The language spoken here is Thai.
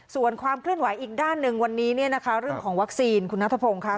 ส่วนความเคลื่อนไหวอีกด้านหนึ่งวันนี้เนี่ยนะคะเรื่องของวัคซีนคุณนัทพงศ์ค่ะ